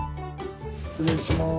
失礼します。